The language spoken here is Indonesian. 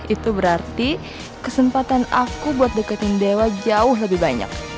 itu berarti kesempatan aku buat deketin dewa jauh lebih banyak